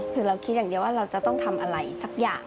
คือเราคิดอย่างเดียวว่าเราจะต้องทำอะไรสักอย่าง